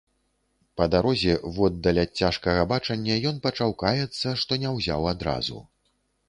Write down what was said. Па дарозе, воддаль ад цяжкага бачання, ён пачаў каяцца, што не ўзяў адразу.